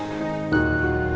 aku masih bercinta sama kamu